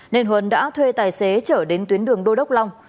nên huấn đã thuê tài xế trở đến tuyến đường đô đốc long